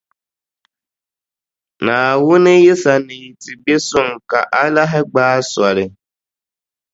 Naawuni yi sa neei ti biɛʼ suŋ ka a lahi gbaai soli.